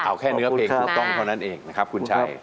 เอาแค่เนื้อเพลงถูกต้องเท่านั้นเองนะครับคุณชัย